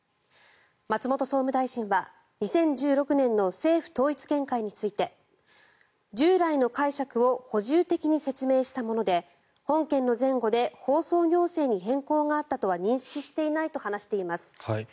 松本総務大臣は２０１６年の政府統一見解について従来の解釈を補充的に説明したもので本件の前後で放送行政に変更があったとは認識していないと話しています。